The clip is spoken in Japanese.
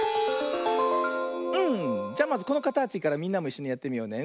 うんじゃまずこのかたちからみんなもいっしょにやってみようね。